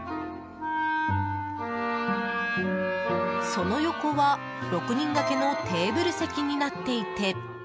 その横は、６人掛けのテーブル席になっていて。